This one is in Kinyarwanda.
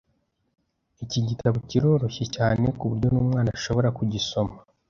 Iki gitabo kiroroshye cyane kuburyo numwana ashobora kugisoma.